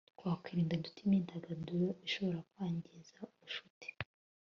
Twakwirinda dute imyidagaduro ishobora kwangiza ubucuti